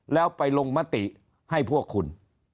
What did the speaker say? แล้วไปลงมติให้พวกคุณ